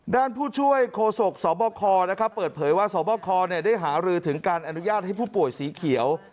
ผู้ช่วยโคศกสบคเปิดเผยว่าสวบคได้หารือถึงการอนุญาตให้ผู้ป่วยสีเขียว